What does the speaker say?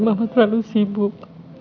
mama terlalu sibuk